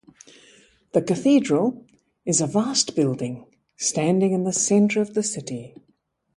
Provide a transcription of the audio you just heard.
The cathedral is a vast building, standing in the center of the city.